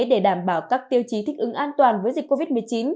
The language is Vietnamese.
để đảm bảo các tiêu chí thích ứng an toàn với dịch covid một mươi chín